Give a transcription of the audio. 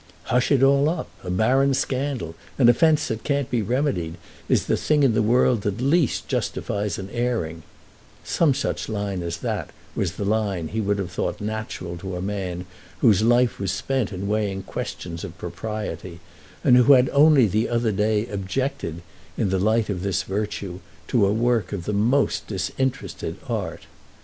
"Hush it all up; a barren scandal, an offence that can't be remedied, is the thing in the world that least justifies an airing—" some such line as that was the line he would have thought natural to a man whose life was spent in weighing questions of propriety and who had only the other day objected, in the light of this virtue, to a work of the most disinterested art.